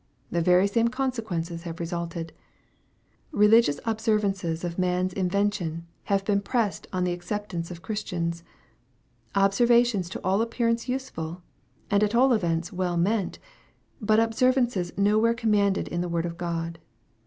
The very same consequences have resulted. Eeligious observances of man's invention, have been pressed on the acceptance of Christians observances to all appearance useful, and at all events well meant , but observances nowhere commanded in the word of God.